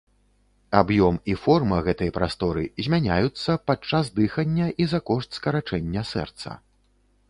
Аб'ём і форма гэтай прасторы змяняюцца падчас дыхання і за кошт скарачэння сэрца.